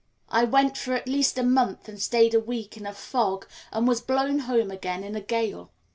I went for at least a month and stayed a week in a fog and was blown home again in a gale.